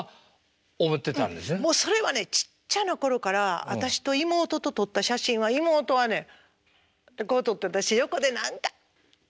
もうそれはねちっちゃな頃から私と妹と撮った写真は妹はねこう撮ってて私横で何かってポーズしてる。